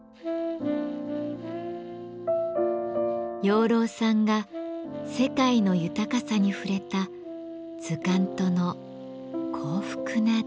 養老さんが世界の豊かさに触れた図鑑との幸福な出会い。